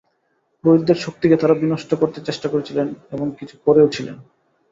পুরোহিতদের শক্তিকে তাঁরা বিনষ্ট করতে চেষ্টা করেছিলেন এবং কিছু করেওছিলেন।